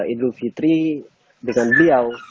idul fitri dengan beliau